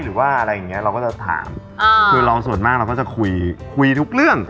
หรือว่าอะไรอย่างเงี้ยเราก็จะถามคือเราส่วนมากเราก็จะคุยคุยทุกเรื่อง